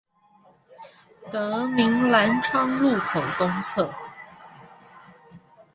德民藍昌路口東側